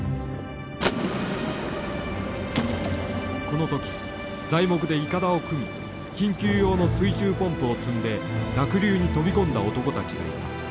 この時材木でいかだを組み緊急用の水中ポンプを積んで濁流に飛び込んだ男たちがいた。